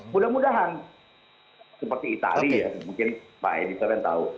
mudah mudahan seperti itali mungkin pak edi sorryn tahu